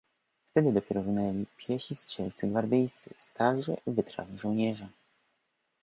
"Wtedy dopiero runęli piesi strzelcy gwardyjscy, starzy, wytrawni żołnierze."